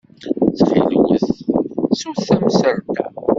Ttxil-wet, ttut tamsalt-a.